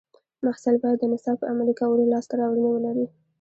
محصل باید د نصاب په عملي کولو لاسته راوړنې ولري.